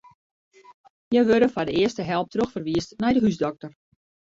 Hja wurde foar de earste help trochferwiisd nei de húsdokter.